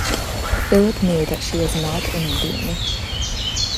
Philip knew that she was not an Indian.